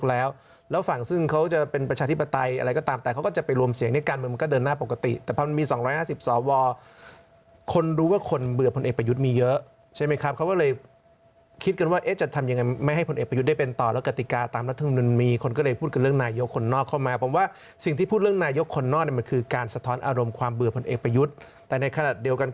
อะไรก็ตามแต่เขาก็จะไปรวมเสียงในการเหมือนมันก็เดินหน้าปกติแต่พอมันมีสองร้อยห้าสิบส่อวอคนรู้ว่าคนเบื่อผลเอกประยุทธ์มีเยอะใช่ไหมครับเขาก็เลยคิดกันว่าเอ๊ะจะทำยังไงไม่ให้ผลเอกประยุทธ์ได้เป็นต่อแล้วกติกาตามรัฐมนุนมีคนก็เลยพูดกันเรื่องนายกคนนอกเข้ามาผมว่าสิ่งที่พูดเรื่องนายกคนนอกเนี่ยมั